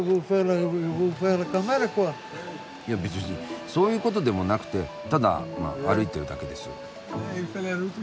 いや別にそういうことでもなくてただまぁ歩いてるだけです。